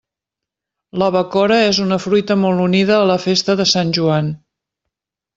La bacora és una fruita molt unida a la festa de Sant Joan.